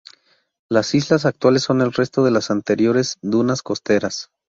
Las islas actuales son el resto de las anteriores dunas costeras.